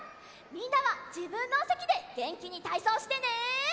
みんなはじぶんのおせきでげんきにたいそうしてね！